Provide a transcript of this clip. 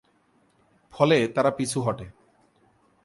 ফলে তারা পিছু হটে।